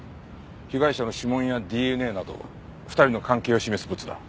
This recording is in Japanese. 被害者の指紋やＤＮＡなど２人の関係を示すブツだ。